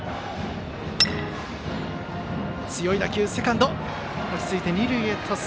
セカンド、落ち着いて二塁へトス。